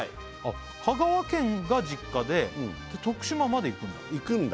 香川県が実家で徳島まで行くんだ行くんだ